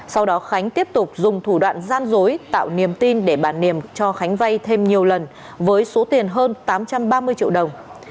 sau đó khánh tiếp tục dùng thủ đoạn gian dối tạo niềm tin để bản niềm cho khánh vay thêm nhiều lần với số tiền hơn tám trăm ba mươi triệu đồng